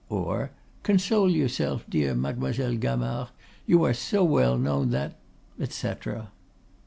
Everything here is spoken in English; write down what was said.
or, "Console yourself, dear Mademoiselle Gamard, you are so well known that " et cetera.